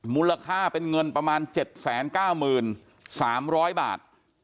มูลค่าเป็นเงินประมาณ๗๙๓๐๐บาท